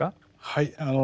はい。